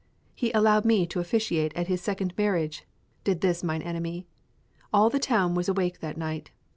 He allowed me to officiate at his second marriage, did this mine enemy. All the town was awake that night.